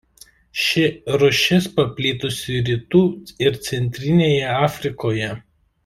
Ši rūšis paplitusi rytų ir centrinėje Afrikoje.